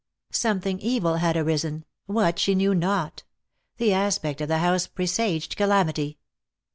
Something evil had arisen — what she knew not. The aspect of the house presaged calamity.